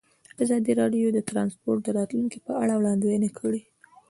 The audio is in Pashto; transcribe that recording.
ازادي راډیو د ترانسپورټ د راتلونکې په اړه وړاندوینې کړې.